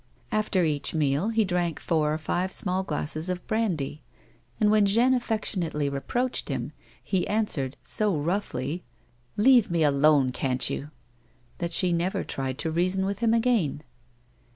After each meal, he drank four or five small glasses of brandy, and when Jeanne affectionately reproached him, he answered so roughly, "Leave me alone, can't you?" that she never tried to reason with him again.